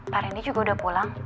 pak randy juga sudah pulang